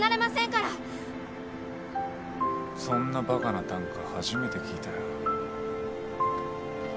そんなバカなたんか初めて聞いたよ。